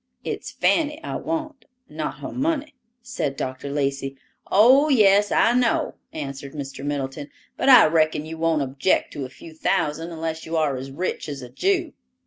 "It's Fanny I want, not her money," said Dr. Lacey. "Oh, yes, I know," answered Mr. Middleton; "but I reckon you won't object to a few thousand, unless you are as rich as a Jew."